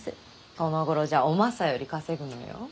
このごろじゃおマサより稼ぐのよ。